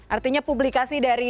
artinya publikasi dari